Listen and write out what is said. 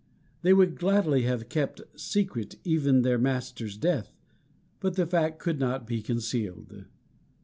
They would gladly have kept secret even their master's death, but the fact could not be concealed.